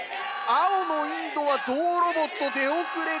青のインドはゾウロボット出遅れている。